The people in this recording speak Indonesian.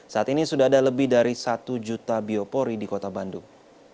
saat ini sudah ada lebih dari satu juta biopori di kota bandung